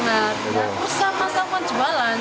usah masak masak jualan